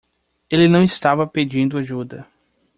Ele não estava pedindo ajuda.